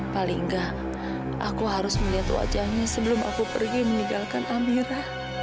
paling enggak aku harus melihat wajahnya sebelum aku pergi meninggalkan amira